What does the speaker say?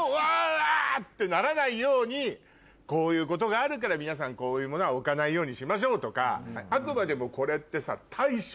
あ！ってならないようにこういうことがあるから皆さんこういうものは置かないようにしましょうとか。